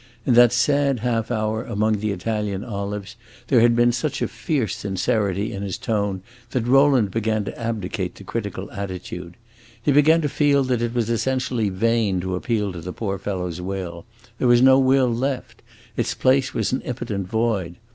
In that sad half hour among the Italian olives there had been such a fierce sincerity in his tone, that Rowland began to abdicate the critical attitude. He began to feel that it was essentially vain to appeal to the poor fellow's will; there was no will left; its place was an impotent void.